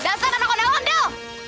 dasar anak anak ondel